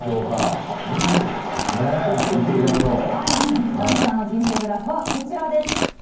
水谷さんの人生グラフはこちらです。